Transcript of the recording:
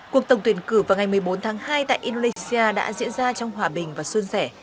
cuộc tổng tuyển cử vào ngày một mươi bốn tháng hai tại indonesia đã diễn ra trong hòa bình và xuân sẻ